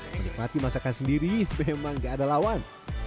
menikmati masakan sendiri memang gak ada lawan